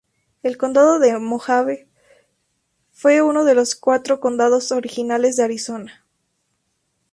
El Condado de Mohave fue uno de los cuatro condados originales de Arizona.